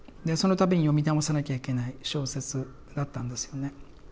でその度に読み直さなきゃいけない小説だったんですよね。